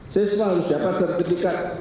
siswa harus dapat sertifikat